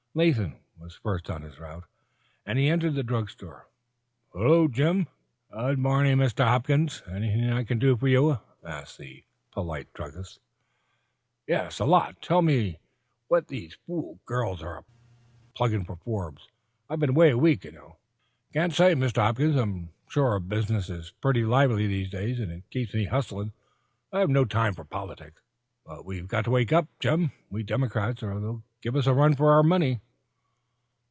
Latham was first on his route and he entered the drug store. "Hullo, Jim." "Good morning, Mr. Hopkins. Anything I can do for you?" asked the polite druggist. "Yes, a lot. Tell me what these fool girls are up to, that are plugging for Forbes. I've been away for a week, you know." "Can't say, Mr. Hopkins, I'm sure. Business is pretty lively these days, and it keeps me hustling. I've no time for politics." "But we've got to wake up, Jim, we Democrats, or they'll give us a run for our money."